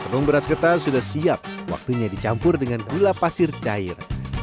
tendung beras ketan sudah siap waktunya dicampur dengan gula pasir cair